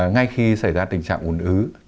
ngay khi xảy ra tình trạng ùn ứ